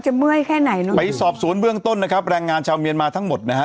เมื่อยแค่ไหนเนอะไปสอบสวนเบื้องต้นนะครับแรงงานชาวเมียนมาทั้งหมดนะฮะ